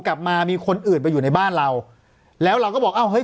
กลับมามีคนอื่นไปอยู่ในบ้านเราแล้วเราก็บอกอ้าวเฮ้